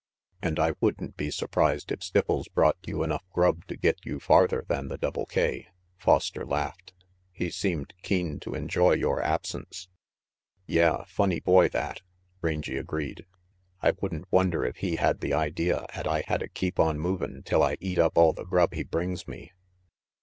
"And I wouldn't be surprised if Stipples brought Ml RANGY PETE you enough grub to get you farther than the Double K," Foster laughed. "He seemed keen to enjoy your absence." "Yeah, funny boy that," Rangy agreed. "I would'n wonder if he had the idea 'at I hadda keep on movin' till I eat up all the grub he brings me."